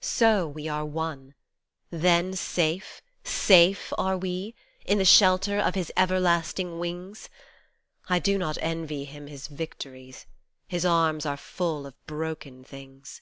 So we are won : Then safe, safe are we ? in the shelter of His everlasting wings I do not envy Him his victories, His arms are full of broken things.